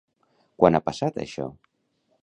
Quan ha passat això?